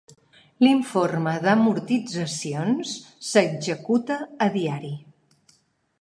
L'informe d'amortitzacions s'executa a diari.